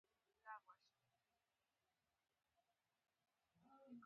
انګلیسي د نړیوالو نوښتونو برخه ده